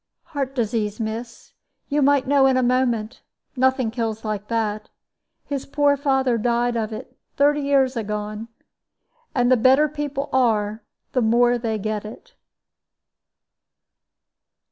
"Heart disease, miss. You might know in a moment. Nothing kills like that. His poor father died of it, thirty years agone. And the better people are, the more they get it."